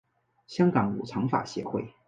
香港五常法协会